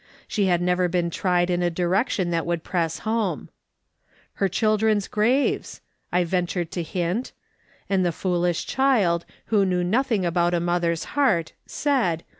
She had never been tried in a direction that would press home. " Her children's graves," I ventured to hint ; and the foolish child, who knew nothing about a mother's heart, said.